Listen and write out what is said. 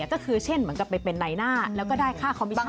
ปกติก็คือเช่นมันก็ไปเป็นในหน้าแล้วก็ได้ฆ่าคอมมิชชั่น